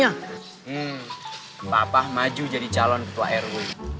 ya bapak maju jadi calon ketua rw